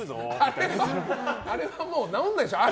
あれは直らないでしょ。